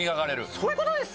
そういうことです。